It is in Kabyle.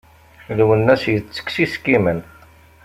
Lwennas yettekes iskimen.